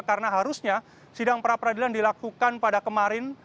karena harusnya sidang pra peradilan dilakukan pada kemarin